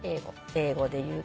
英語で言うと。